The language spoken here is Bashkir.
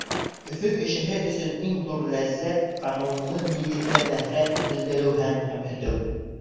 Өфө кешеһе өсөн иң ҙур ләззәт — ҡанунлы нигеҙҙә нәфрәт белдереү һәм кәмһетеү.